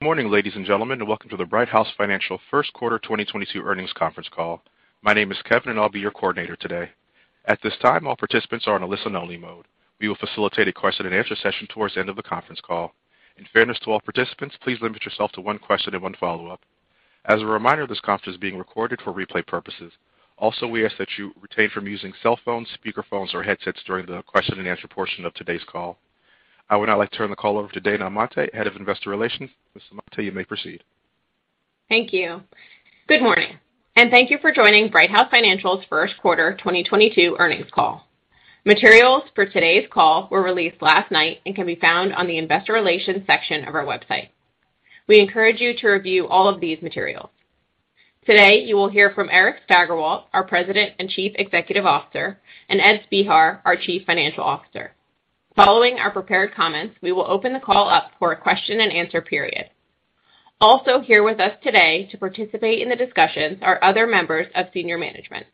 Good morning, ladies and gentlemen, and welcome to the Brighthouse Financial first quarter 2022 earnings conference call. My name is Kevin, and I'll be your coordinator today. At this time, all participants are on a listen-only mode. We will facilitate a question-and-answer session towards the end of the conference call. In fairness to all participants, please limit yourself to one question and one follow-up. As a reminder, this conference is being recorded for replay purposes. Also, we ask that you refrain from using cell phones, speakerphones or headsets during the question-and-answer portion of today's call. I would now like to turn the call over to Dana Amante, Head of Investor Relations. Ms. Amante, you may proceed. Thank you. Good morning, and thank you for joining Brighthouse Financial's first quarter 2022 earnings call. Materials for today's call were released last night and can be found on the investor relations section of our website. We encourage you to review all of these materials. Today, you will hear from Eric Steigerwalt, our President and Chief Executive Officer, and Ed Spehar, our Chief Financial Officer. Following our prepared comments, we will open the call up for a question and answer period. Also here with us today to participate in the discussions are other members of senior management.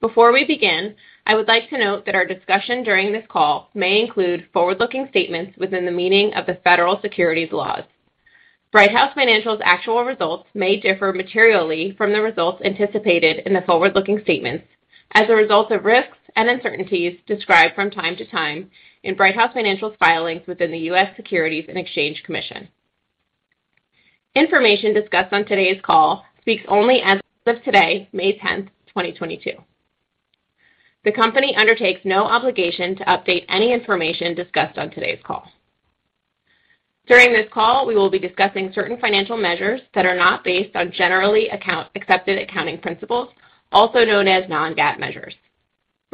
Before we begin, I would like to note that our discussion during this call may include forward-looking statements within the meaning of the federal securities laws. Brighthouse Financial's actual results may differ materially from the results anticipated in the forward-looking statements as a result of risks and uncertainties described from time to time in Brighthouse Financial's filings with the U.S. Securities and Exchange Commission. Information discussed on today's call speaks only as of today, May 10, 2022. The company undertakes no obligation to update any information discussed on today's call. During this call, we will be discussing certain financial measures that are not based on generally accepted accounting principles, also known as non-GAAP measures.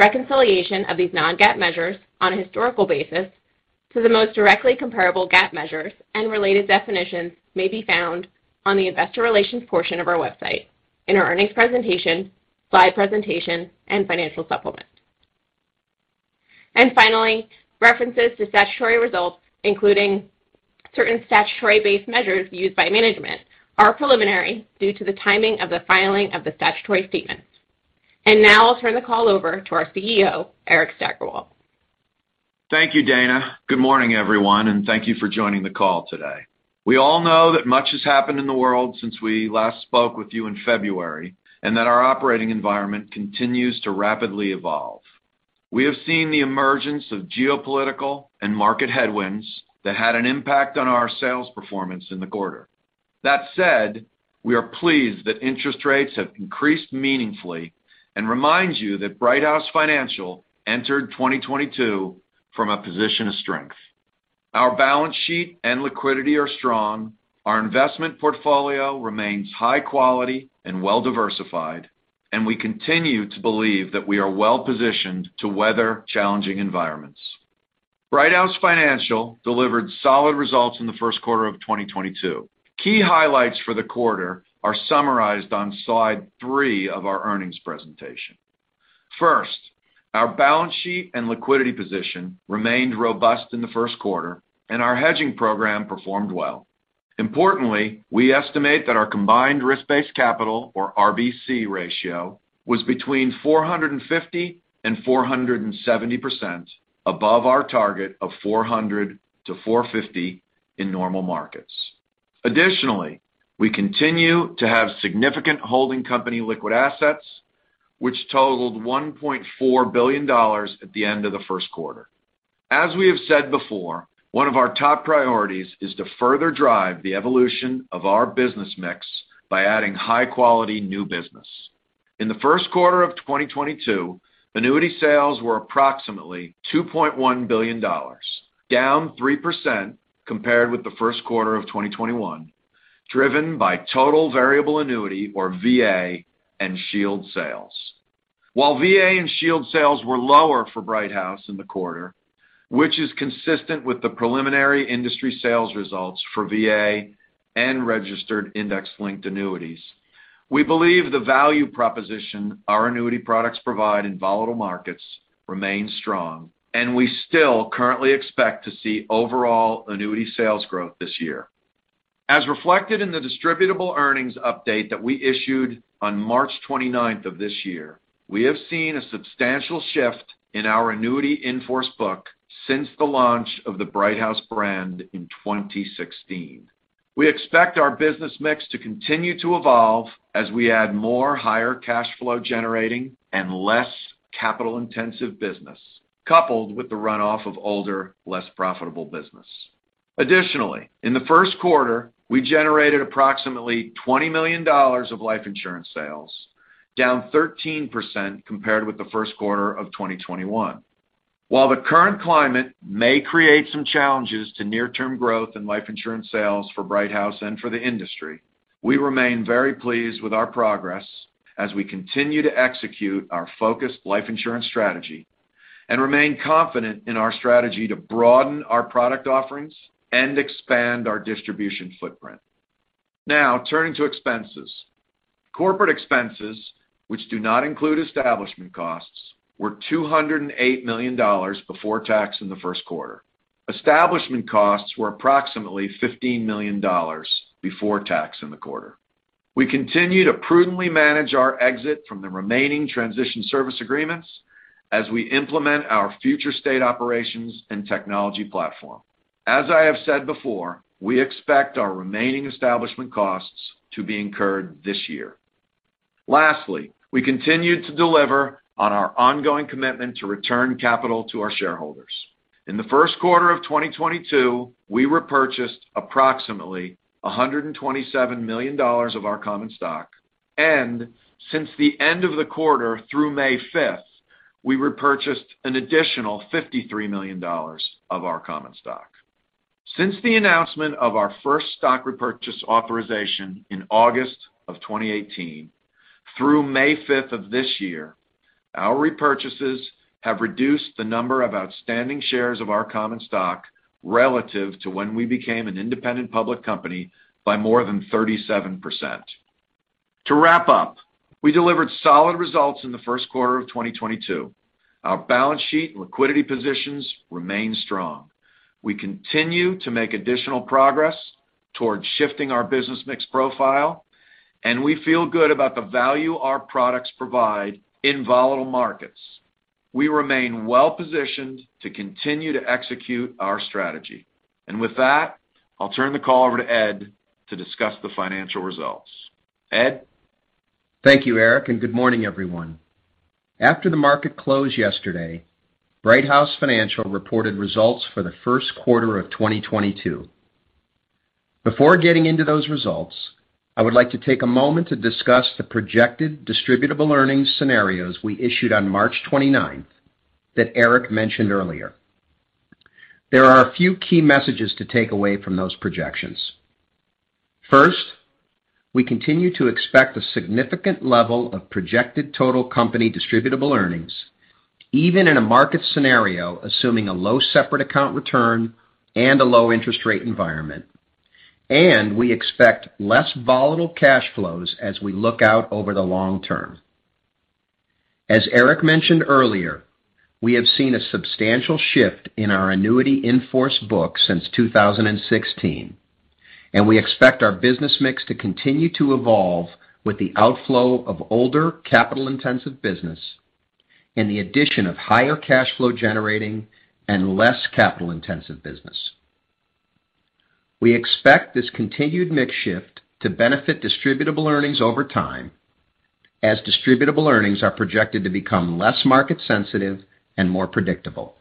Reconciliation of these non-GAAP measures on a historical basis to the most directly comparable GAAP measures and related definitions may be found on the investor relations portion of our website in our earnings presentation, slide presentation and financial supplement. Finally, references to statutory results, including certain statutory based measures used by management, are preliminary due to the timing of the filing of the statutory statements. Now I'll turn the call over to our CEO, Eric Steigerwalt. Thank you, Dana. Good morning, everyone, and thank you for joining the call today. We all know that much has happened in the world since we last spoke with you in February, and that our operating environment continues to rapidly evolve. We have seen the emergence of geopolitical and market headwinds that had an impact on our sales performance in the quarter. That said, we are pleased that interest rates have increased meaningfully and remind you that Brighthouse Financial entered 2022 from a position of strength. Our balance sheet and liquidity are strong. Our investment portfolio remains high quality and well-diversified, and we continue to believe that we are well-positioned to weather challenging environments. Brighthouse Financial delivered solid results in the first quarter of 2022. Key highlights for the quarter are summarized on slide three of our earnings presentation. First, our balance sheet and liquidity position remained robust in the first quarter and our hedging program performed well. Importantly, we estimate that our combined risk-based capital or RBC ratio was between 450 and 470% above our target of 400 to 450 in normal markets. Additionally, we continue to have significant holding company liquid assets, which totaled $1.4 billion at the end of the first quarter. As we have said before, one of our top priorities is to further drive the evolution of our business mix by adding high quality new business. In the first quarter of 2022, annuity sales were approximately $2.1 billion, down 3% compared with the first quarter of 2021, driven by total variable annuity or VA and Shield sales. While VA and Shield sales were lower for Brighthouse in the quarter, which is consistent with the preliminary industry sales results for VA and registered index-linked annuities, we believe the value proposition our annuity products provide in volatile markets remains strong, and we still currently expect to see overall annuity sales growth this year. As reflected in the distributable earnings update that we issued on March 29th of this year, we have seen a substantial shift in our annuity in-force book since the launch of the Brighthouse brand in 2016. We expect our business mix to continue to evolve as we add more higher cash flow generating and less capital-intensive business, coupled with the runoff of older, less profitable business. Additionally, in the first quarter, we generated approximately $20 million of life insurance sales, down 13% compared with the first quarter of 2021. While the current climate may create some challenges to near-term growth in life insurance sales for Brighthouse and for the industry, we remain very pleased with our progress as we continue to execute our focused life insurance strategy and remain confident in our strategy to broaden our product offerings and expand our distribution footprint. Now turning to expenses. Corporate expenses, which do not include establishment costs, were $208 million before tax in the first quarter. Establishment costs were approximately $15 million before tax in the quarter. We continue to prudently manage our exit from the remaining transition service agreements as we implement our future state operations and technology platform. As I have said before, we expect our remaining establishment costs to be incurred this year. Lastly, we continue to deliver on our ongoing commitment to return capital to our shareholders. In the first quarter of 2022, we repurchased approximately $127 million of our common stock, and since the end of the quarter through May 5th, we repurchased an additional $53 million of our common stock. Since the announcement of our first stock repurchase authorization in August of 2018, through May 5th of this year, our repurchases have reduced the number of outstanding shares of our common stock relative to when we became an independent public company by more than 37%. To wrap up, we delivered solid results in the first quarter of 2022. Our balance sheet and liquidity positions remain strong. We continue to make additional progress towards shifting our business mix profile, and we feel good about the value our products provide in volatile markets. We remain well-positioned to continue to execute our strategy. With that, I'll turn the call over to Ed to discuss the financial results. Ed? Thank you, Eric, and good morning, everyone. After the market closed yesterday, Brighthouse Financial reported results for the first quarter of 2022. Before getting into those results, I would like to take a moment to discuss the projected distributable earnings scenarios we issued on March 29 that Eric mentioned earlier. There are a few key messages to take away from those projections. First, we continue to expect a significant level of projected total company distributable earnings, even in a market scenario assuming a low separate account return and a low interest rate environment. We expect less volatile cash flows as we look out over the long term. As Eric mentioned earlier, we have seen a substantial shift in our annuity in-force book since 2016, and we expect our business mix to continue to evolve with the outflow of older capital-intensive business and the addition of higher cash flow generating and less capital-intensive business. We expect this continued mix shift to benefit distributable earnings over time as distributable earnings are projected to become less market sensitive and more predictable.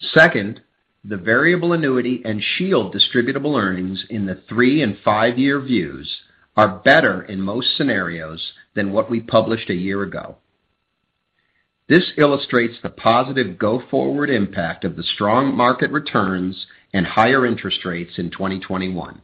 Second, the variable annuity and Shield distributable earnings in the three and five-year views are better in most scenarios than what we published a year ago. This illustrates the positive go-forward impact of the strong market returns and higher interest rates in 2021.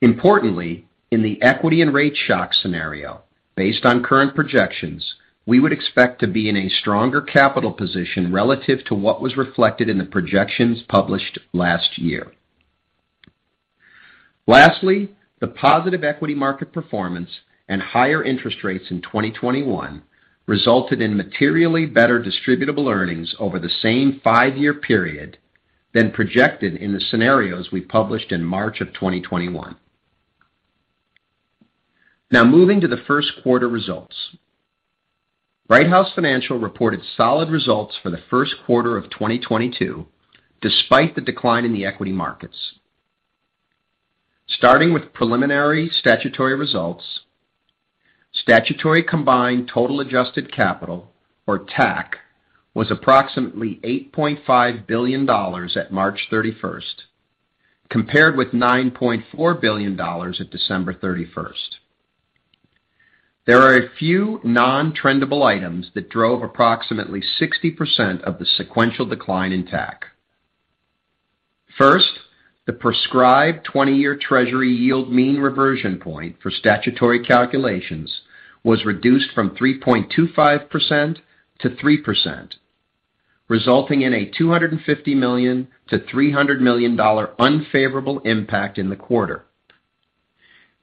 Importantly, in the equity and rate shock scenario, based on current projections, we would expect to be in a stronger capital position relative to what was reflected in the projections published last year. Lastly, the positive equity market performance and higher interest rates in 2021 resulted in materially better distributable earnings over the same five-year period than projected in the scenarios we published in March of 2021. Now moving to the first quarter results. Brighthouse Financial reported solid results for the first quarter of 2022, despite the decline in the equity markets. Starting with preliminary statutory results, statutory combined total adjusted capital, or TAC, was approximately $8.5 billion at March 31, compared with $9.4 billion at December 31st. There are a few non-trendable items that drove approximately 60% of the sequential decline in TAC. First, the prescribed 20-year treasury yield mean reversion point for statutory calculations was reduced from 3.25% to 3%, resulting in a $250 million-$300 million unfavorable impact in the quarter.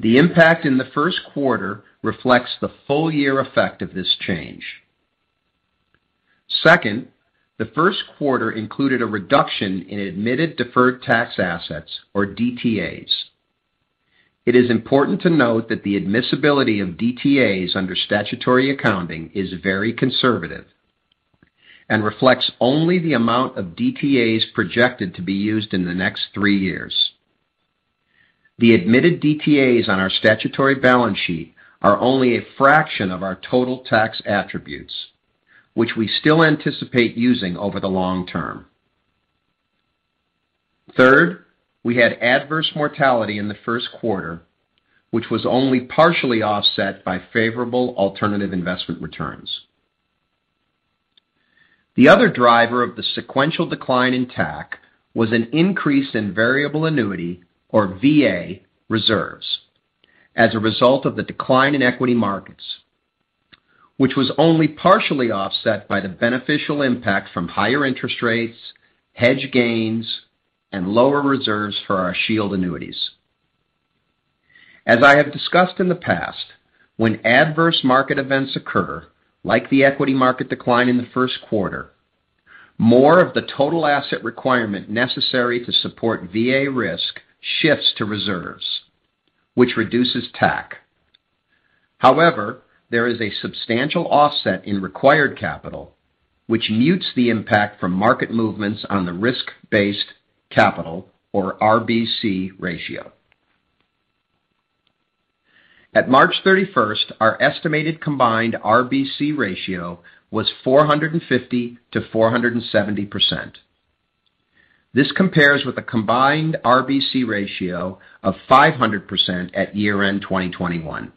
The impact in the first quarter reflects the full year effect of this change. Second, the first quarter included a reduction in admitted deferred tax assets, or DTAs. It is important to note that the admissibility of DTAs under statutory accounting is very conservative and reflects only the amount of DTAs projected to be used in the next three years. The admitted DTAs on our statutory balance sheet are only a fraction of our total tax attributes, which we still anticipate using over the long term. Third, we had adverse mortality in the first quarter, which was only partially offset by favorable alternative investment returns. The other driver of the sequential decline in TAC was an increase in variable annuity, or VA, reserves as a result of the decline in equity markets, which was only partially offset by the beneficial impact from higher interest rates, hedge gains, and lower reserves for our Shield annuities. As I have discussed in the past, when adverse market events occur, like the equity market decline in the first quarter. More of the total asset requirement necessary to support VA risk shifts to reserves, which reduces TAC. However, there is a substantial offset in required capital, which mutes the impact from market movements on the risk-based capital or RBC ratio. At March thirty-first, our estimated combined RBC ratio was 450%-470%. This compares with a combined RBC ratio of 500% at year-end 2021.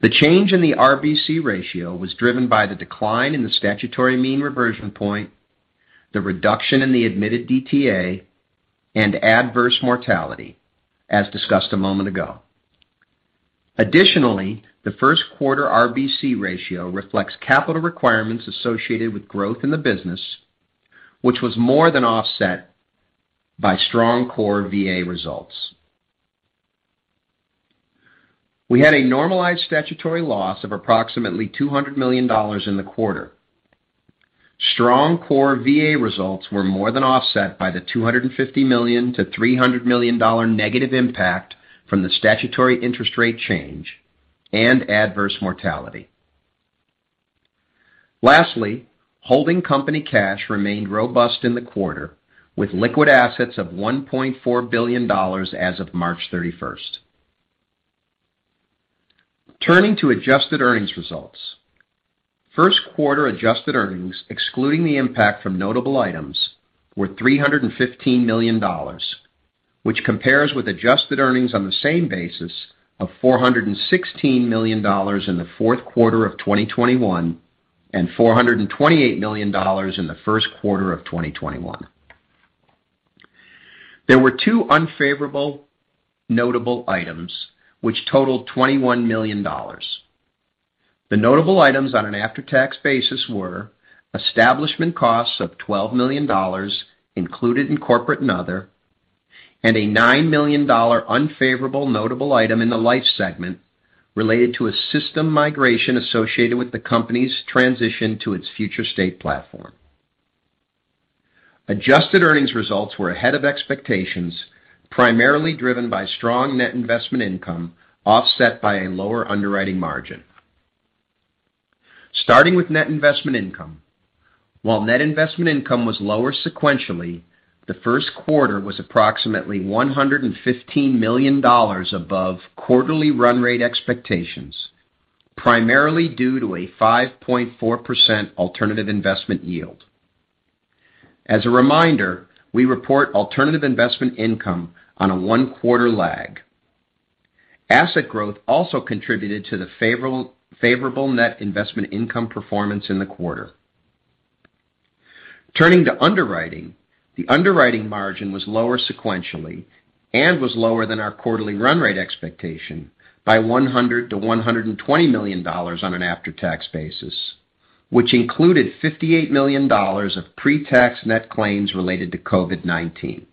The change in the RBC ratio was driven by the decline in the statutory mean reversion point, the reduction in the admitted DTA, and adverse mortality, as discussed a moment ago. Additionally, the first quarter RBC ratio reflects capital requirements associated with growth in the business, which was more than offset by strong core VA results. We had a normalized statutory loss of approximately $200 million in the quarter. Strong core VA results were more than offset by the $250 million-$300 million negative impact from the statutory interest rate change and adverse mortality. Lastly, holding company cash remained robust in the quarter, with liquid assets of $1.4 billion as of March 31st. Turning to adjusted earnings results. First quarter adjusted earnings, excluding the impact from notable items, were $315 million, which compares with adjusted earnings on the same basis of $416 million in the fourth quarter of 2021 and $428 million in the first quarter of 2021. There were two unfavorable notable items which totaled $21 million. The notable items on an after-tax basis were establishment costs of $12 million included in corporate and other, and a $9 million unfavorable notable item in the life segment related to a system migration associated with the company's transition to its future state platform. Adjusted earnings results were ahead of expectations, primarily driven by strong net investment income, offset by a lower underwriting margin. Starting with net investment income. While net investment income was lower sequentially, the first quarter was approximately $115 million above quarterly run rate expectations, primarily due to a 5.4% alternative investment yield. As a reminder, we report alternative investment income on a one-quarter lag. Asset growth also contributed to the favorable net investment income performance in the quarter. Turning to underwriting. The underwriting margin was lower sequentially and was lower than our quarterly run rate expectation by $100 million-$120 million on an after-tax basis, which included $58 million of pre-tax net claims related to COVID-19.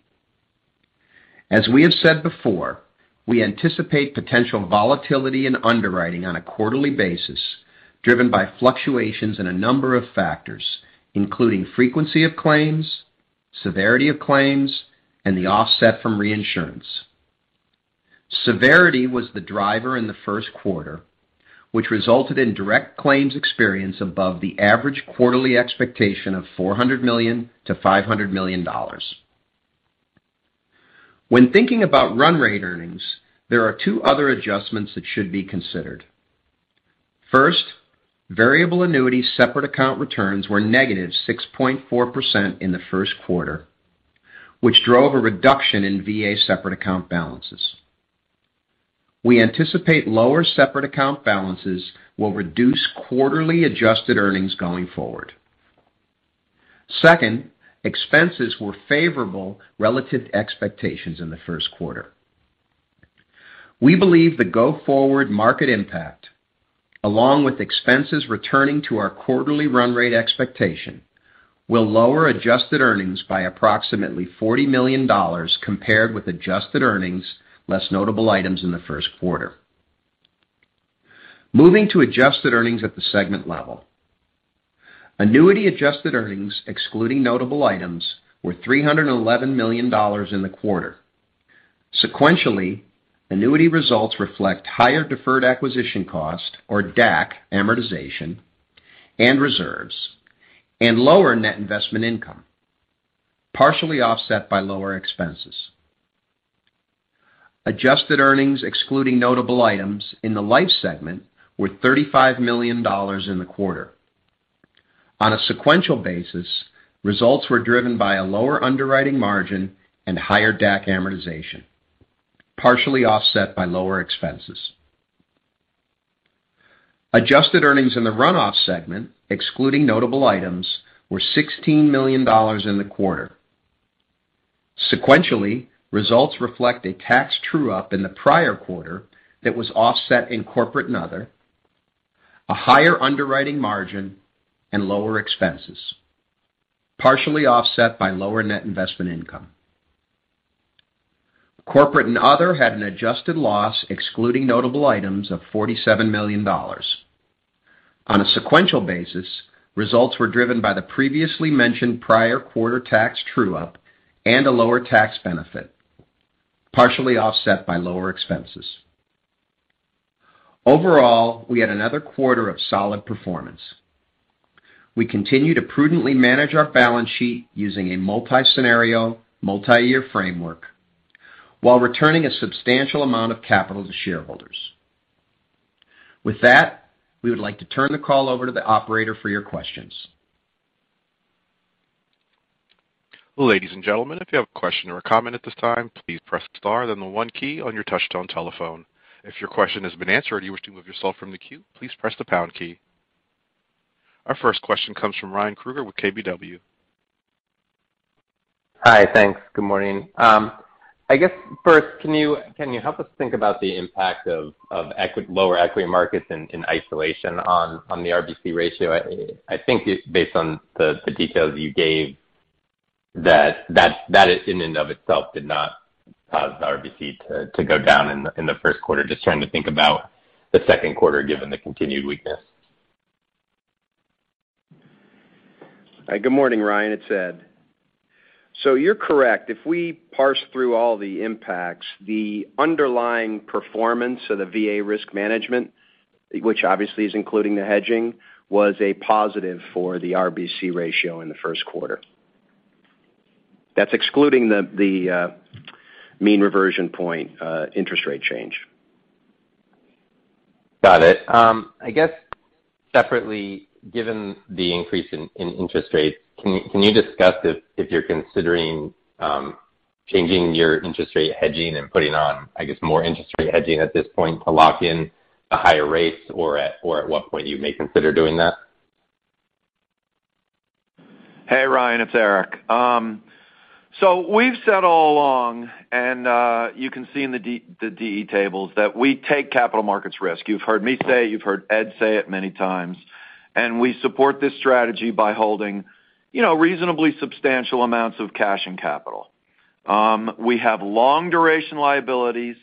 As we have said before, we anticipate potential volatility in underwriting on a quarterly basis, driven by fluctuations in a number of factors, including frequency of claims, severity of claims, and the offset from reinsurance. Severity was the driver in the first quarter, which resulted in direct claims experience above the average quarterly expectation of $400 million-$500 million. When thinking about run rate earnings, there are two other adjustments that should be considered. First, variable annuity separate account returns were -6.4% in the first quarter, which drove a reduction in VA separate account balances. We anticipate lower separate account balances will reduce quarterly adjusted earnings going forward. Second, expenses were favorable relative to expectations in the first quarter. We believe the go-forward market impact, along with expenses returning to our quarterly run rate expectation, will lower adjusted earnings by approximately $40 million compared with adjusted earnings, less notable items in the first quarter. Moving to adjusted earnings at the segment level. Annuity adjusted earnings, excluding notable items, were $311 million in the quarter. Sequentially, annuity results reflect higher deferred acquisition cost, or DAC amortization, and reserves, and lower net investment income, partially offset by lower expenses. Adjusted earnings, excluding notable items in the life segment, were $35 million in the quarter. On a sequential basis, results were driven by a lower underwriting margin and higher DAC amortization, partially offset by lower expenses. Adjusted earnings in the run-off segment, excluding notable items, were $16 million in the quarter. Sequentially, results reflect a tax true-up in the prior quarter that was offset in corporate and other, a higher underwriting margin and lower expenses, partially offset by lower net investment income. Corporate and other had an adjusted loss, excluding notable items of $47 million. On a sequential basis, results were driven by the previously mentioned prior quarter tax true-up and a lower tax benefit, partially offset by lower expenses. Overall, we had another quarter of solid performance. We continue to prudently manage our balance sheet using a multi-scenario, multi-year framework while returning a substantial amount of capital to shareholders. With that, we would like to turn the call over to the operator for your questions. Ladies and gentlemen, if you have a question or a comment at this time, please press star, then the one key on your touchtone telephone. If your question has been answered and you wish to remove yourself from the queue, please press the pound key. Our first question comes from Ryan Krueger with KBW. Hi. Thanks. Good morning. I guess first, can you help us think about the impact of lower equity markets in isolation on the RBC ratio? I think it's based on the details you gave that in and of itself did not cause the RBC to go down in the first quarter. Just trying to think about the second quarter, given the continued weakness. Good morning, Ryan. It's Ed. You're correct. If we parse through all the impacts, the underlying performance of the VA risk management, which obviously is including the hedging, was a positive for the RBC ratio in the first quarter. That's excluding the mean reversion point, interest rate change. Got it. I guess separately, given the increase in interest rates, can you discuss if you're considering changing your interest rate hedging and putting on, I guess, more interest rate hedging at this point to lock in the higher rates or at what point you may consider doing that? Hey, Ryan, it's Eric. We've said all along, and you can see in the DE tables that we take capital markets risk. You've heard me say, you've heard Ed say it many times, and we support this strategy by holding, you know, reasonably substantial amounts of cash and capital. We have long duration liabilities,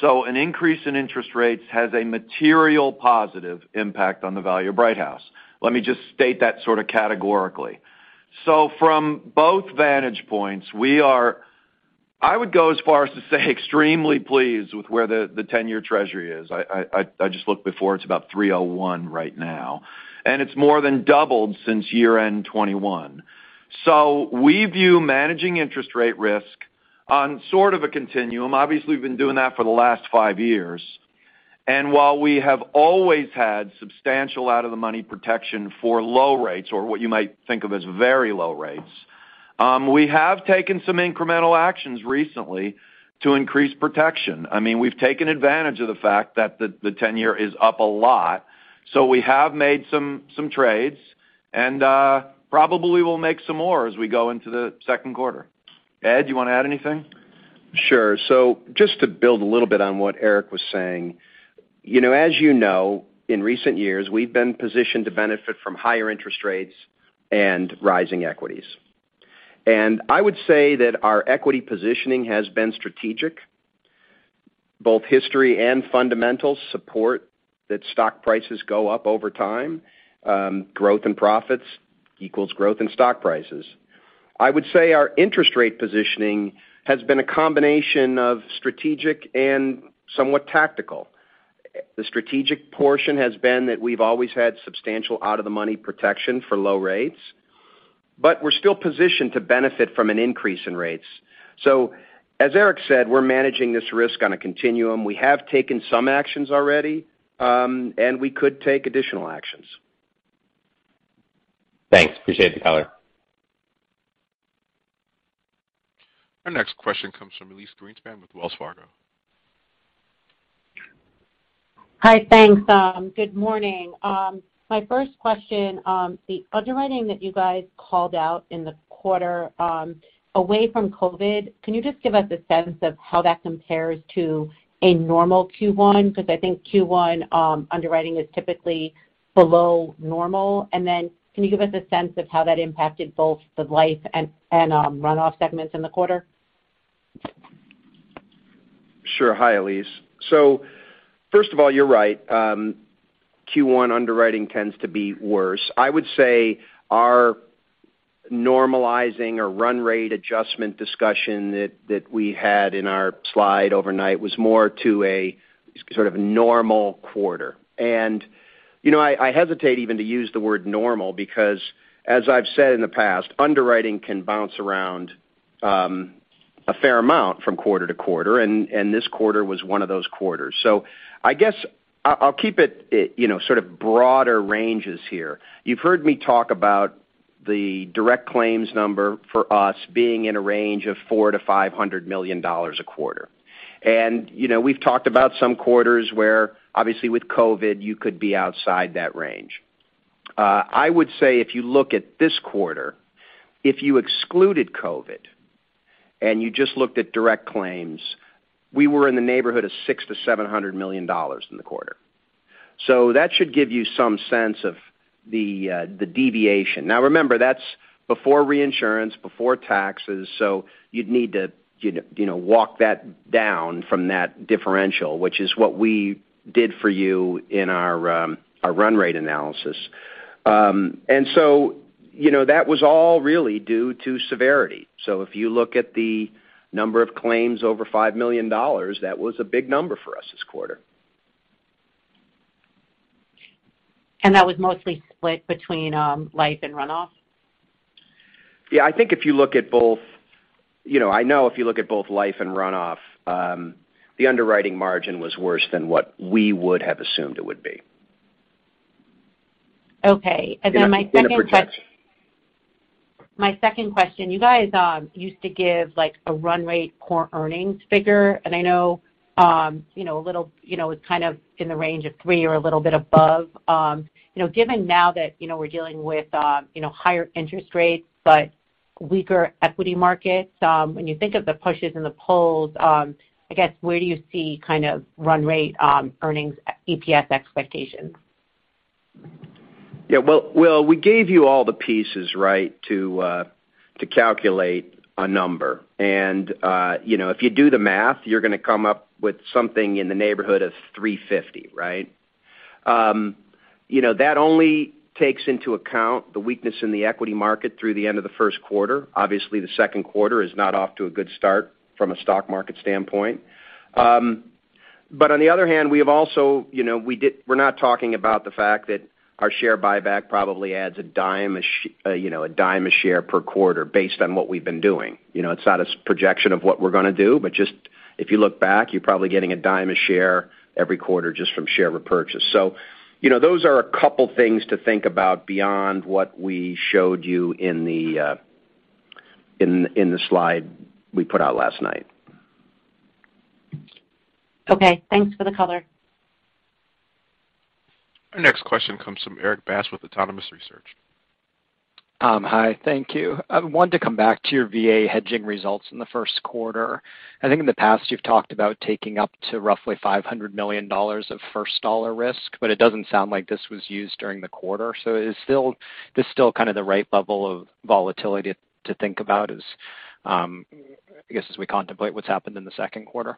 so an increase in interest rates has a material positive impact on the value of Brighthouse. Let me just state that sort of categorically. From both vantage points, we are, I would go as far as to say, extremely pleased with where the 10-year treasury is. I just looked before, it's about 3.01% right now, and it's more than doubled since year-end 2021. We view managing interest rate risk on sort of a continuum. Obviously, we've been doing that for the last five years. While we have always had substantial out of the money protection for low rates or what you might think of as very low rates, we have taken some incremental actions recently to increase protection. I mean, we've taken advantage of the fact that the 10-year is up a lot, so we have made some trades and probably will make some more as we go into the second quarter. Ed, you wanna add anything? Sure. Just to build a little bit on what Eric was saying. You know, as you know, in recent years, we've been positioned to benefit from higher interest rates and rising equities. I would say that our equity positioning has been strategic. Both history and fundamentals support that stock prices go up over time. Growth and profits equals growth in stock prices. I would say our interest rate positioning has been a combination of strategic and somewhat tactical. The strategic portion has been that we've always had substantial out of the money protection for low rates, but we're still positioned to benefit from an increase in rates. As Eric said, we're managing this risk on a continuum. We have taken some actions already, and we could take additional actions. Thanks. Appreciate the color. Our next question comes from Elyse Greenspan with Wells Fargo. Hi. Thanks. Good morning. My first question, the underwriting that you guys called out in the quarter, away from COVID, can you just give us a sense of how that compares to a normal Q1? 'Cause I think Q1, underwriting is typically below normal. Can you give us a sense of how that impacted both the life and runoff segments in the quarter? Sure. Hi, Elyse. First of all, you're right, Q1 underwriting tends to be worse. I would say our normalizing or run rate adjustment discussion that we had in our slide overnight was more to a sort of normal quarter. You know, I hesitate even to use the word normal because as I've said in the past, underwriting can bounce around a fair amount from quarter to quarter, and this quarter was one of those quarters. I guess I'll keep it you know, sort of broader ranges here. You've heard me talk about the direct claims number for us being in a range of $400 million-$500 million a quarter. You know, we've talked about some quarters where obviously with COVID, you could be outside that range. I would say if you look at this quarter, if you excluded COVID and you just looked at direct claims, we were in the neighborhood of $600 million-$700 million in the quarter. That should give you some sense of the deviation. Now remember, that's before reinsurance, before taxes, so you'd need to, you know, walk that down from that differential, which is what we did for you in our run rate analysis. You know, that was all really due to severity. If you look at the number of claims over $5 million, that was a big number for us this quarter. That was mostly split between life and runoff? Yeah. I think if you look at both life and runoff, you know, the underwriting margin was worse than what we would have assumed it would be. Okay. Data protects. My second question, you guys, used to give like a run rate core earnings figure, and I know, you know, a little, you know, it's kind of in the range of $3 or a little bit above. You know, given now that, you know, we're dealing with, you know, higher interest rates but weaker equity markets, when you think of the pushes and the pulls, I guess, where do you see kind of run rate, earnings EPS expectations? Yeah. Well, we gave you all the pieces, right, to calculate a number. You know, if you do the math, you're gonna come up with something in the neighborhood of $3.50, right? You know, that only takes into account the weakness in the equity market through the end of the first quarter. Obviously, the second quarter is not off to a good start from a stock market standpoint. On the other hand, we have also, you know, we're not talking about the fact that our share buyback probably adds $0.10 a share per quarter based on what we've been doing. You know, it's not a projection of what we're gonna do. Just if you look back, you're probably getting $0.10 a share every quarter just from share repurchase. You know, those are a couple things to think about beyond what we showed you in the slide we put out last night. Okay, thanks for the color. Our next question comes from Erik Bass with Autonomous Research. Hi. Thank you. I want to come back to your VA hedging results in the first quarter. I think in the past you've talked about taking up to roughly $500 million of first dollar risk, but it doesn't sound like this was used during the quarter. Is this still kind of the right level of volatility to think about as, I guess, as we contemplate what's happened in the second quarter?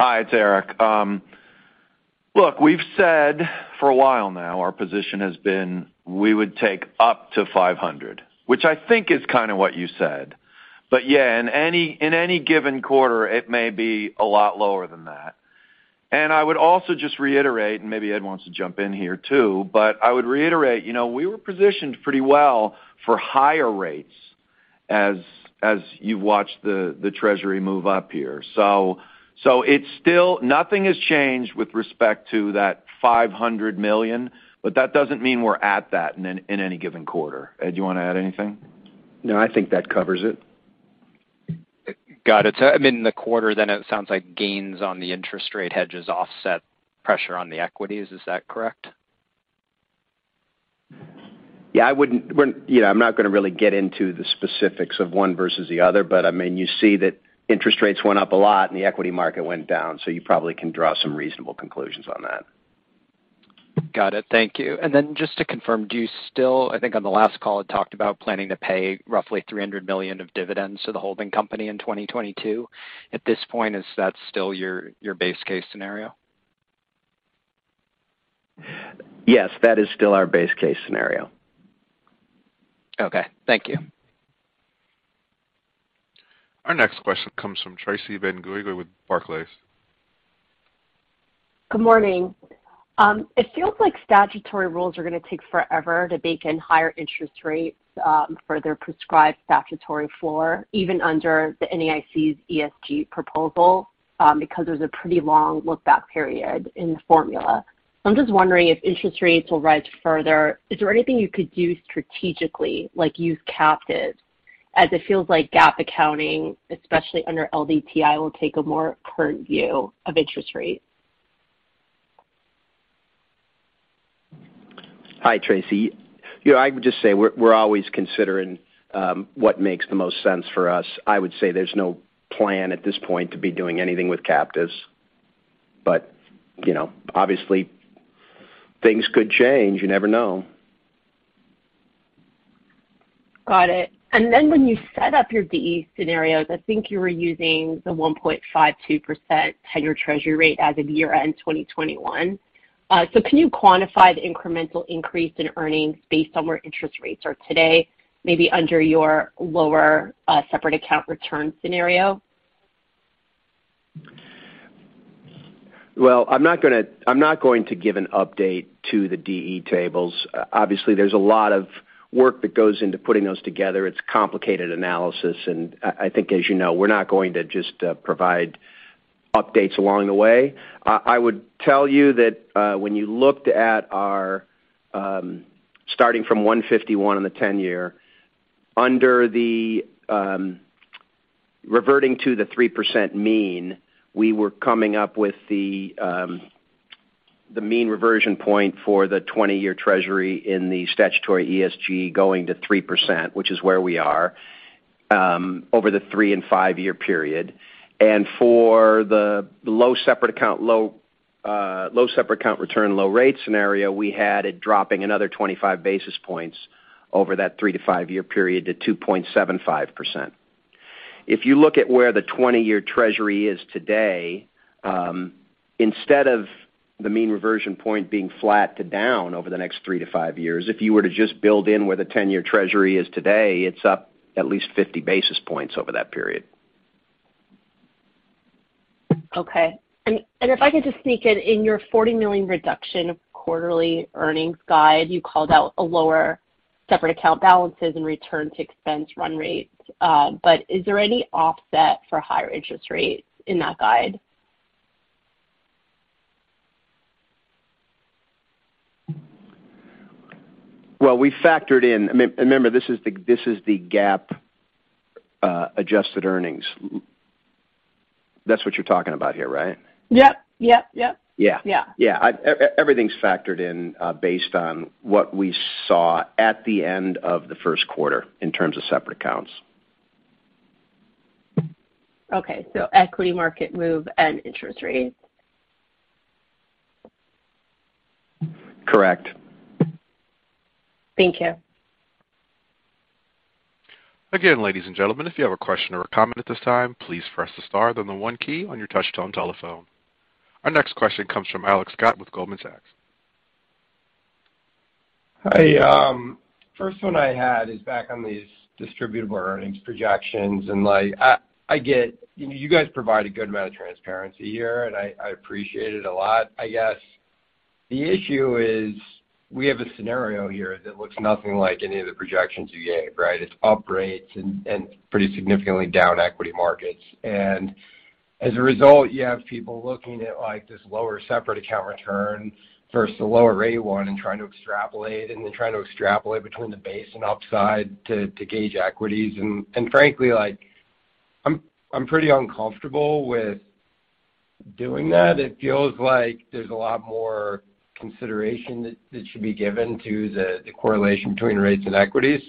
Hi, it's Eric. Look, we've said for a while now our position has been we would take up to $500 million, which I think is kinda what you said. Yeah, in any given quarter, it may be a lot lower than that. I would also just reiterate, and maybe Ed wants to jump in here too, but I would reiterate, you know, we were positioned pretty well for higher rates as you've watched the treasury move up here. It's still nothing has changed with respect to that $500 million, but that doesn't mean we're at that in any given quarter. Ed, do you wanna add anything? No, I think that covers it. Got it. I mean, the quarter then it sounds like gains on the interest rate hedges offset pressure on the equities. Is that correct? We're, you know, I'm not gonna really get into the specifics of one versus the other, but I mean, you see that interest rates went up a lot and the equity market went down, so you probably can draw some reasonable conclusions on that. Got it. Thank you. Then just to confirm, do you still, I think, on the last call, you talked about planning to pay roughly $300 million of dividends to the holding company in 2022. At this point, is that still your base case scenario? Yes, that is still our base case scenario. Okay, thank you. Our next question comes from Tracy Benguigui with Barclays. Good morning. It feels like statutory rules are gonna take forever to bake in higher interest rates, for their prescribed statutory floor, even under the NAIC's ESG proposal, because there's a pretty long look-back period in the formula. I'm just wondering if interest rates will rise further. Is there anything you could do strategically, like use captives, as it feels like GAAP accounting, especially under LDTI, will take a more current view of interest rates? Hi, Tracy. You know, I would just say we're always considering what makes the most sense for us. I would say there's no plan at this point to be doing anything with captives. You know, obviously, things could change. You never know. Got it. Then when you set up your DE scenarios, I think you were using the 1.52% higher treasury rate as of year-end 2021. Can you quantify the incremental increase in earnings based on where interest rates are today, maybe under your lower separate account return scenario? Well, I'm not going to give an update to the DE tables. Obviously, there's a lot of work that goes into putting those together. It's complicated analysis, and I think, as you know, we're not going to just provide updates along the way. I would tell you that, when you looked at our, starting from 1.51 on the 10-year, under the, reverting to the 3% mean, we were coming up with the mean reversion point for the 20-year treasury in the statutory ESG going to 3%, which is where we are, over the three and five-year period. For the low separate account return, low rate scenario, we had it dropping another 25 basis points over that three to five-year period to 2.75%. If you look at where the 20-year Treasury is today, instead of the mean reversion point being flat to down over the next three to five years, if you were to just build in where the 10-year Treasury is today, it's up at least 50 basis points over that period. Okay. If I could just sneak in. In your $40 million reduction of quarterly earnings guide, you called out a lower separate account balances and return to expense run rates. Is there any offset for higher interest rates in that guide? Well, we factored in. Remember, this is the GAAP adjusted earnings. That's what you're talking about here, right? Yep. Yep. Yep. Yeah. Yeah. Yeah. Everything's factored in, based on what we saw at the end of the first quarter in terms of separate accounts. Okay. Equity market move and interest rates. Correct. Thank you. Again, ladies and gentlemen, if you have a question or a comment at this time, please press the star, then the one key on your touchtone telephone. Our next question comes from Alex Scott with Goldman Sachs. Hi. First one I had is back on these distributable earnings projections. Like, I get, you know, you guys provide a good amount of transparency here, and I appreciate it a lot. I guess the issue is we have a scenario here that looks nothing like any of the projections you gave, right? It's up rates and pretty significantly down equity markets. As a result, you have people looking at, like, this lower separate account return versus the lower rate one and trying to extrapolate, and then trying to extrapolate between the base and upside to gauge equities. Frankly, like, I'm pretty uncomfortable with doing that. It feels like there's a lot more consideration that should be given to the correlation between rates and equities.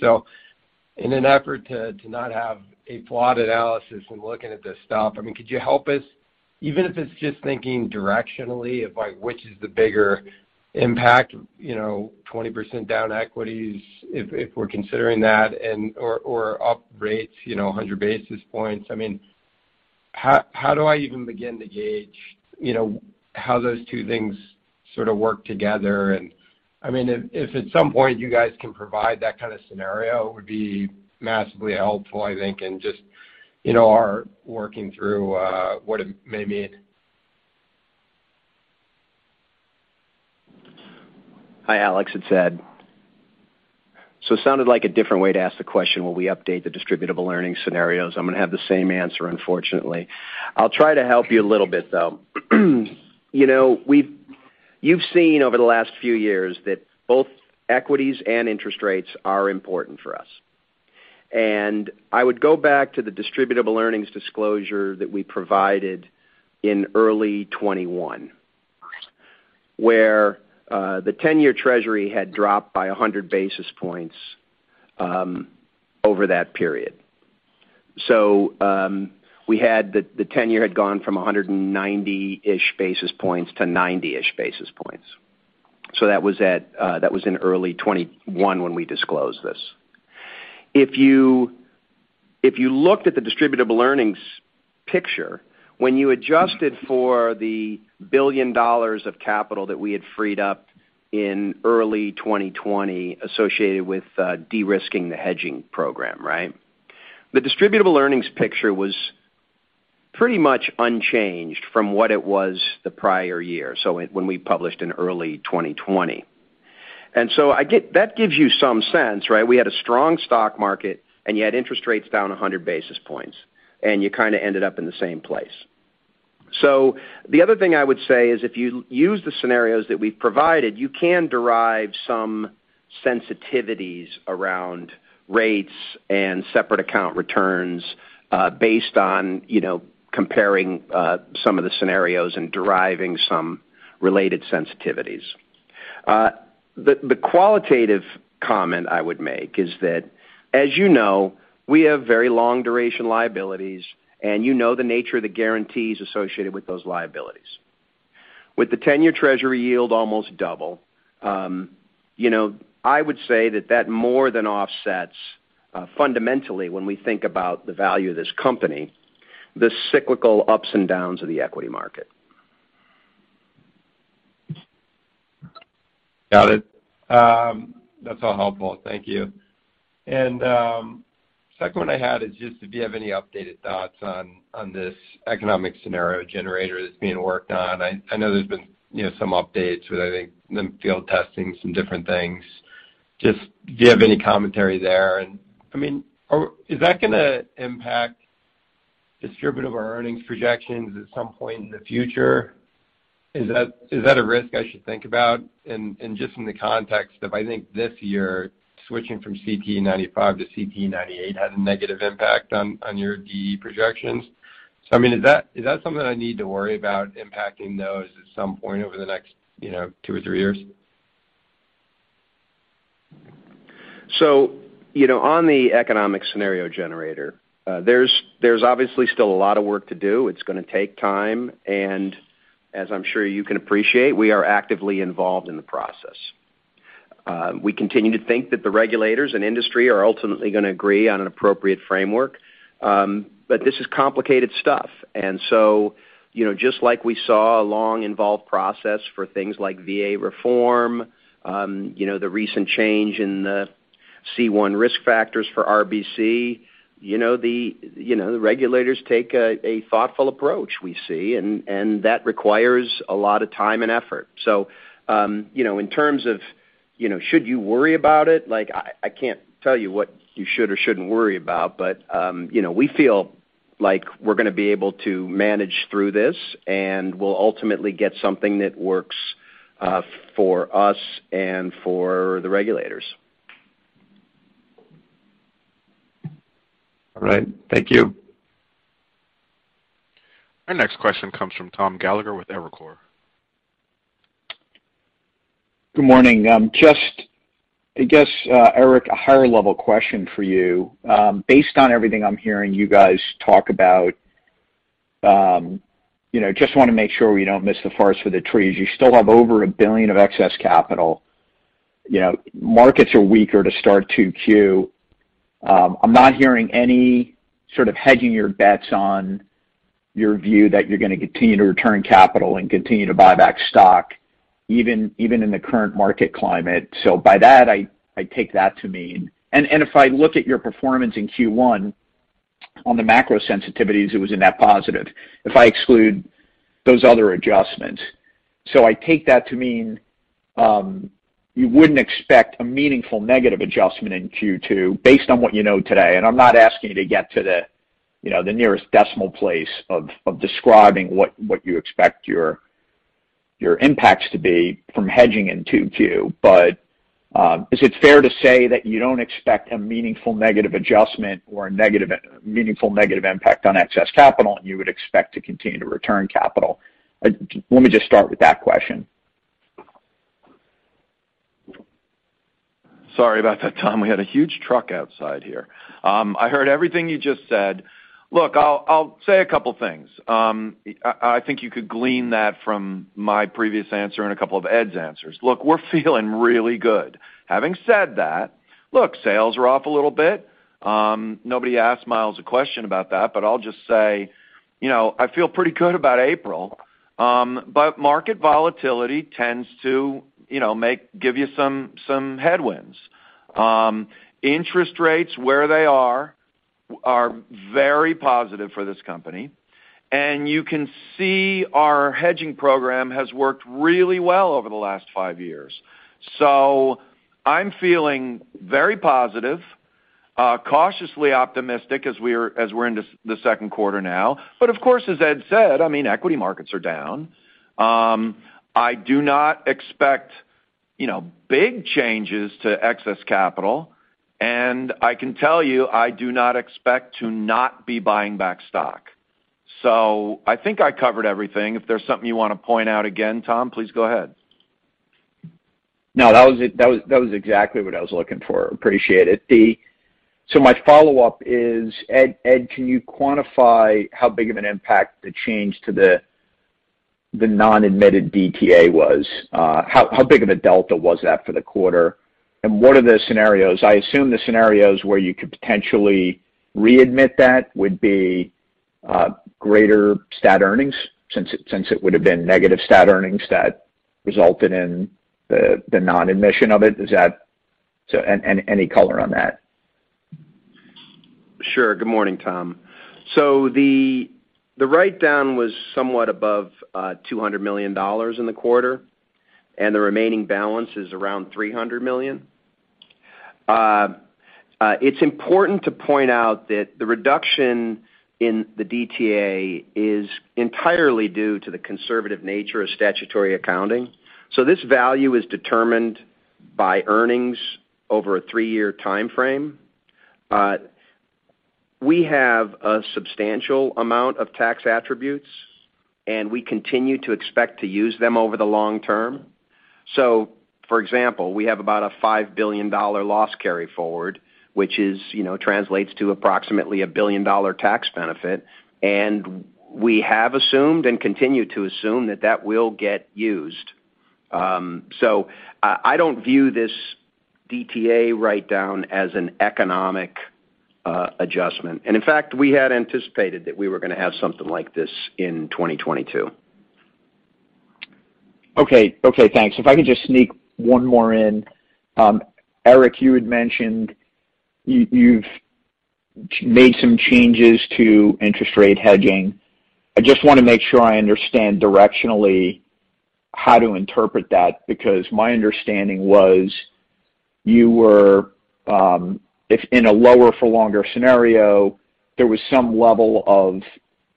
In an effort to not have a flawed analysis when looking at this stuff, I mean, could you help us, even if it's just thinking directionally of, like, which is the bigger impact, you know, 20% down equities, if we're considering that and or up rates, you know, 100 basis points. I mean, how do I even begin to gauge, you know, how those two things sort of work together? I mean, if at some point you guys can provide that kind of scenario, it would be massively helpful, I think, in just, you know, our working through what it may mean. Hi, Alex. It's Ed. It sounded like a different way to ask the question, will we update the distributable earnings scenarios? I'm going to have the same answer, unfortunately. I'll try to help you a little bit, though. You know, you've seen over the last few years that both equities and interest rates are important for us. I would go back to the distributable earnings disclosure that we provided in early 2021, where the 10-year Treasury had dropped by 100 basis points over that period. We had the 10-year had gone from 190-ish basis points to 90-ish basis points. That was in early 2021 when we disclosed this. If you looked at the distributable earnings picture when you adjusted for the $1 billion of capital that we had freed up in early 2020 associated with de-risking the hedging program, right? The distributable earnings picture was pretty much unchanged from what it was the prior year, when we published in early 2020. That gives you some sense, right? We had a strong stock market, and you had interest rates down 100 basis points, and you kind of ended up in the same place. The other thing I would say is, if you use the scenarios that we've provided, you can derive some sensitivities around rates and separate account returns, based on, you know, comparing some of the scenarios and deriving some related sensitivities. The qualitative comment I would make is that, as you know, we have very long duration liabilities, and you know the nature of the guarantees associated with those liabilities. With the 10-year treasury yield almost double, you know, I would say that that more than offsets, fundamentally when we think about the value of this company, the cyclical ups and downs of the equity market. Got it. That's all helpful. Thank you. Second one I had is just if you have any updated thoughts on this economic scenario generator that's being worked on. I know there's been, you know, some updates with, I think, them field testing some different things. Just do you have any commentary there? I mean, is that gonna impact distribution or earnings projections at some point in the future? Is that a risk I should think about? Just in the context of, I think this year, switching from CTE 95 to CTE 98 had a negative impact on your DE projections. I mean, is that something I need to worry about impacting those at some point over the next, you know, two or three years? You know, on the economic scenario generator, there's obviously still a lot of work to do. It's gonna take time, and as I'm sure you can appreciate, we are actively involved in the process. We continue to think that the regulators and industry are ultimately gonna agree on an appropriate framework, but this is complicated stuff. You know, just like we saw a long involved process for things like VA reform, the recent change in the C1 risk factors for RBC, you know, the regulators take a thoughtful approach, we see, and that requires a lot of time and effort. You know, in terms of, you know, should you worry about it, like I can't tell you what you should or shouldn't worry about, but, you know, we feel like we're gonna be able to manage through this, and we'll ultimately get something that works, for us and for the regulators. All right. Thank you. Our next question comes from Tom Gallagher with Evercore. Good morning. Just I guess, Eric, a higher level question for you. Based on everything I'm hearing you guys talk about, you know, just wanna make sure we don't miss the forest for the trees. You still have over $1 billion of excess capital. You know, markets are weaker to start 2Q. I'm not hearing any sort of hedging your bets on your view that you're gonna continue to return capital and continue to buy back stock even in the current market climate. By that, I take that to mean if I look at your performance in Q1 on the macro sensitivities, it was a net positive if I exclude those other adjustments. I take that to mean you wouldn't expect a meaningful negative adjustment in Q2 based on what you know today. I'm not asking you to get to the, you know, the nearest decimal place of describing what you expect your impacts to be from hedging in Q2. Is it fair to say that you don't expect a meaningful negative adjustment or meaningful negative impact on excess capital, and you would expect to continue to return capital? Let me just start with that question. Sorry about that, Tom. We had a huge truck outside here. I heard everything you just said. Look, I'll say a couple things. I think you could glean that from my previous answer and a couple of Ed's answers. Look, we're feeling really good. Having said that, look, sales are off a little bit. Nobody asked Myles a question about that, but I'll just say, you know, I feel pretty good about April. Market volatility tends to, you know, give you some headwinds. Interest rates where they are very positive for this company, and you can see our hedging program has worked really well over the last five years. I'm feeling very positive, cautiously optimistic as we're into the second quarter now. Of course, as Ed said, I mean, equity markets are down. I do not expect, you know, big changes to excess capital. I can tell you, I do not expect to not be buying back stock. I think I covered everything. If there's something you wanna point out again, Tom, please go ahead. No, that was it. That was exactly what I was looking for. Appreciate it. My follow-up is, Ed, can you quantify how big of an impact the change to the non-admitted DTA was? How big of a delta was that for the quarter? And what are the scenarios? I assume the scenarios where you could potentially readmit that would be greater stat earnings since it would have been negative stat earnings that resulted in the non-admission of it. Is that? Any color on that? Sure. Good morning, Tom. The write-down was somewhat above $200 million in the quarter, and the remaining balance is around $300 million. It's important to point out that the reduction in the DTA is entirely due to the conservative nature of statutory accounting. This value is determined by earnings over a three-year timeframe. We have a substantial amount of tax attributes, and we continue to expect to use them over the long term. For example, we have about a $5 billion loss carry forward, which you know translates to approximately a $1 billion tax benefit. We have assumed and continue to assume that that will get used. I don't view this DTA write-down as an economic adjustment. In fact, we had anticipated that we were gonna have something like this in 2022. Okay. Okay, thanks. If I could just sneak one more in. Eric, you had mentioned you've made some changes to interest rate hedging. I just wanna make sure I understand directionally how to interpret that, because my understanding was you were, if in a lower for longer scenario, there was some level of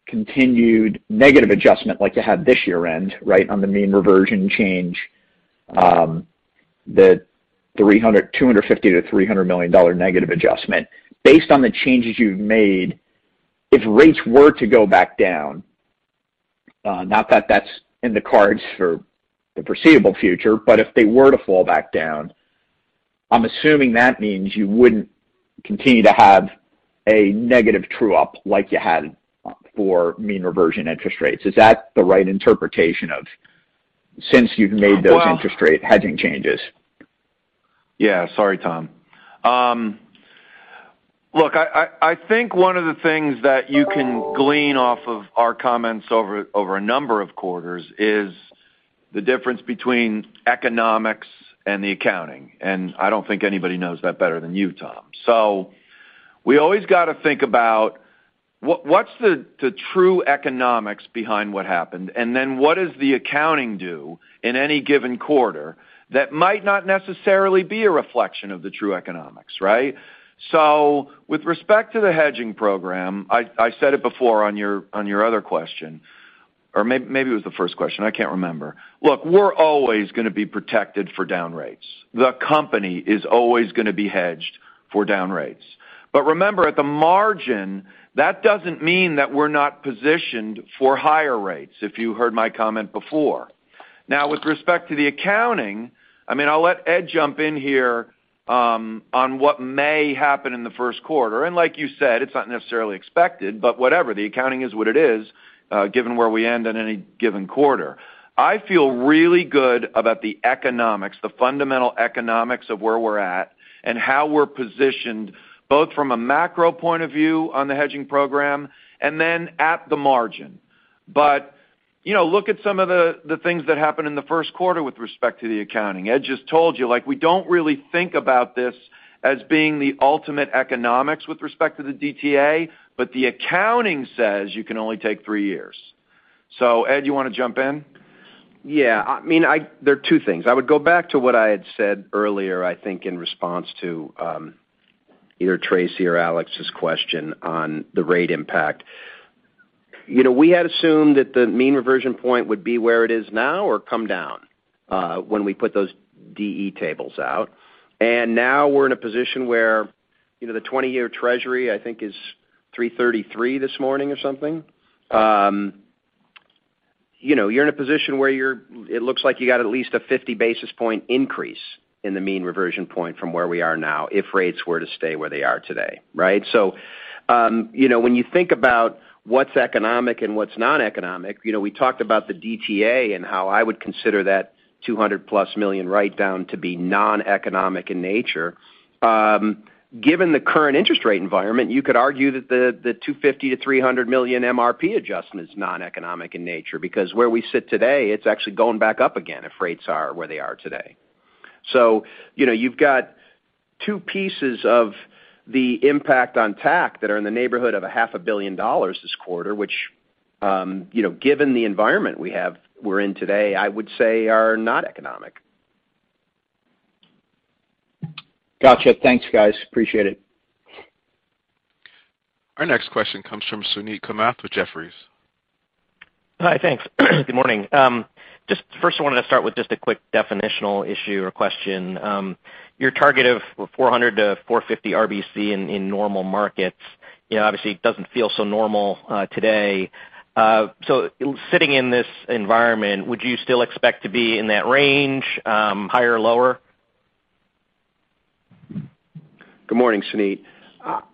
continued negative adjustment like you had this year-end, right, on the mean reversion change, the $250 million-$300 million negative adjustment. Based on the changes you've made, if rates were to go back down, not that that's in the cards for the foreseeable future, but if they were to fall back down, I'm assuming that means you wouldn't continue to have a negative true-up like you had for mean reversion interest rates. Is that the right interpretation or since you've made those interest rate hedging changes? Yeah. Sorry, Tom. Look, I think one of the things that you can glean off of our comments over a number of quarters is the difference between economics and the accounting. I don't think anybody knows that better than you, Tom. We always gotta think about what's the true economics behind what happened, and then what does the accounting do in any given quarter that might not necessarily be a reflection of the true economics, right? With respect to the hedging program, I said it before on your other question, or maybe it was the first question, I can't remember. Look, we're always gonna be protected for down rates. The company is always gonna be hedged for down rates. Remember, at the margin, that doesn't mean that we're not positioned for higher rates, if you heard my comment before. Now, with respect to the accounting, I mean, I'll let Ed jump in here, on what may happen in the first quarter. Like you said, it's not necessarily expected, but whatever, the accounting is what it is, given where we end in any given quarter. I feel really good about the economics, the fundamental economics of where we're at and how we're positioned, both from a macro point of view on the hedging program and then at the margin. You know, look at some of the things that happened in the first quarter with respect to the accounting. Ed just told you, like, we don't really think about this as being the ultimate economics with respect to the DTA, but the accounting says you can only take three years. Ed, you wanna jump in? Yeah. I mean, there are two things. I would go back to what I had said earlier, I think in response to either Tracy or Alex's question on the rate impact. You know, we had assumed that the mean reversion point would be where it is now or come down when we put those DE tables out. Now we're in a position where, you know, the 20-year Treasury, I think is 3.33 this morning or something. You know, you're in a position where it looks like you got at least a 50 basis points increase in the mean reversion point from where we are now, if rates were to stay where they are today, right? You know, when you think about what's economic and what's not economic, you know, we talked about the DTA and how I would consider that $200+ million write-down to be non-economic in nature. Given the current interest rate environment, you could argue that the 250-300 million MRP adjustment is non-economic in nature because where we sit today, it's actually going back up again if rates are where they are today. You know, you've got two pieces of the impact on TAC that are in the neighborhood of a half a billion dollars this quarter, which, you know, given the environment we're in today, I would say are not economic. Gotcha. Thanks, guys. Appreciate it. Our next question comes from Suneet Kamath with Jefferies. Hi. Thanks. Good morning. Just first, I wanted to start with just a quick definitional issue or question. Your target of 400-450 RBC in normal markets, you know, obviously it doesn't feel so normal today. Sitting in this environment, would you still expect to be in that range, higher or lower? Good morning, Suneet.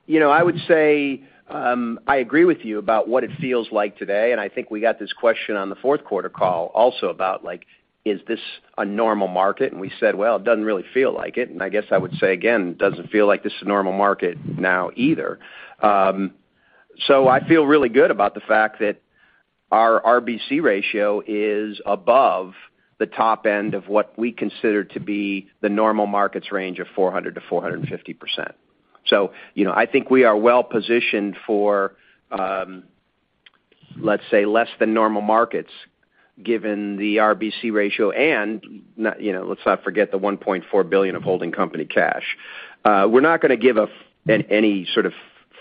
You know, I would say, I agree with you about what it feels like today, and I think we got this question on the fourth quarter call also about, like, is this a normal market? We said, "Well, it doesn't really feel like it." I guess I would say again, it doesn't feel like this is a normal market now either. So I feel really good about the fact that our RBC ratio is above the top end of what we consider to be the normal markets range of 400%-450%. You know, I think we are well positioned for, let's say less than normal markets, given the RBC ratio and not, you know, let's not forget the $1.4 billion of holding company cash. We're not gonna give any sort of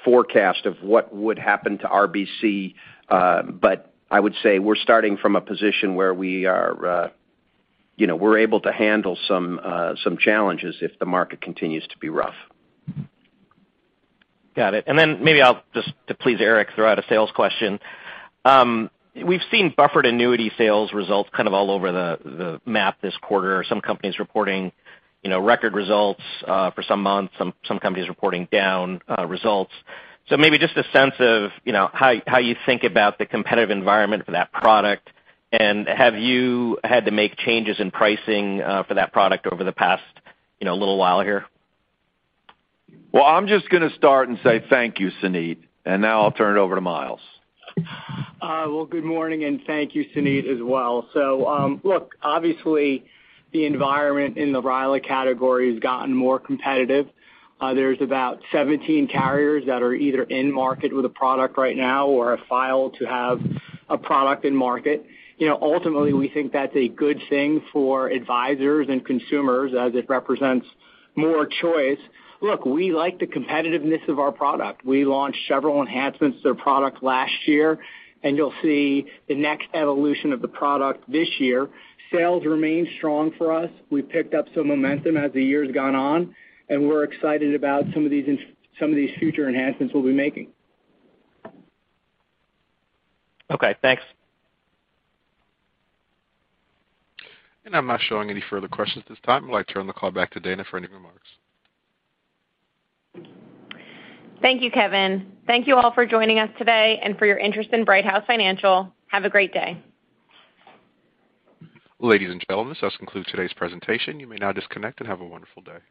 forecast of what would happen to RBC. I would say we're starting from a position where we are, you know, we're able to handle some challenges if the market continues to be rough. Got it. Maybe I'll just, to please Eric, throw out a sales question. We've seen buffered annuity sales results kind of all over the map this quarter. Some companies reporting, you know, record results for some months, some companies reporting down results. Maybe just a sense of, you know, how you think about the competitive environment for that product. Have you had to make changes in pricing for that product over the past, you know, little while here? Well, I'm just gonna start and say thank you, Suneet, and now I'll turn it over to Myles. Well, good morning, and thank you, Suneet, as well. Look, obviously the environment in the RILA category has gotten more competitive. There's about 17 carriers that are either in market with a product right now or have filed to have a product in market. You know, ultimately, we think that's a good thing for advisors and consumers as it represents more choice. Look, we like the competitiveness of our product. We launched several enhancements to the product last year, and you'll see the next evolution of the product this year. Sales remain strong for us. We've picked up some momentum as the year's gone on, and we're excited about some of these future enhancements we'll be making. Okay, thanks. I'm not showing any further questions at this time. I'd like to turn the call back to Dana for any remarks. Thank you, Kevin. Thank you all for joining us today and for your interest in Brighthouse Financial. Have a great day. Ladies and gentlemen, this does conclude today's presentation. You may now disconnect and have a wonderful day.